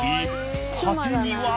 果てには。